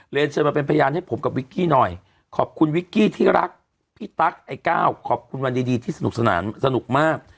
เชิญมาเป็นพยานให้ผมกับวิกกี้หน่อยขอบคุณวิกกี้ที่รักพี่ตั๊กไอ้ก้าวขอบคุณวันดีที่สนุกสนานสนุกมาก